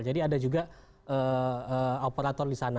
ada juga operator di sana